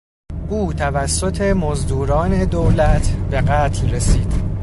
او توسط مزدوران دولت به قتل رسید.